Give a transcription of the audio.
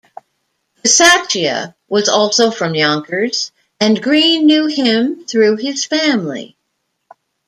Bissacia was also from Yonkers and Greene knew him through his family.